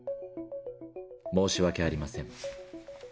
申し訳ありません。